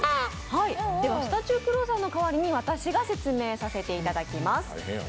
スタチュークロウさんの代わりに私が説明させていただきます。